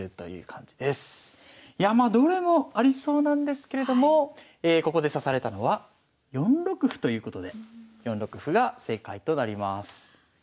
いやまあどれもありそうなんですけれどもここで指されたのは４六歩ということで４六歩が正解となります。